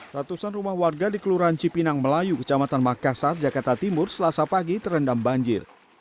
ratusan rumah warga di kelurahan cipinang melayu kecamatan makassar jakarta timur selasa pagi terendam banjir